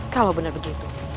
kalau benar begitu